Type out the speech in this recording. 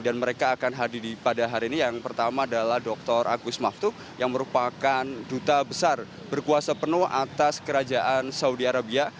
dan mereka akan hadir pada hari ini yang pertama adalah dr agus maftou yang merupakan duta besar berkuasa penuh atas kerajaan saudi arabia